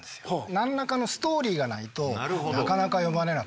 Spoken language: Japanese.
何らかのストーリーがないとなかなか読まれなくて。